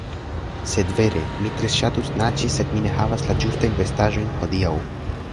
Sed vere, mi tre ŝatus naĝi sed mi ne havas la ĝustajn vestaĵojn hodiaŭ